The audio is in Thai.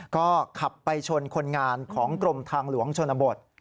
ก็ขับไปชนคนงานของกรมทางหลวงชนบท